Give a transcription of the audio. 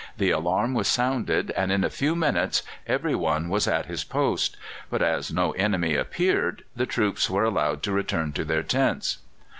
The alarm was sounded, and in a few minutes every one was at his post; but as no enemy appeared, the troops were allowed to return to their tents.